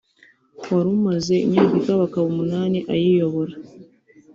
wari umaze imyaka ikabakaba umunani ayiyobora